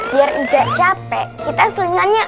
biar enggak capek kita selingannya